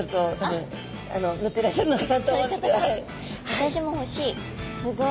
私もほしい。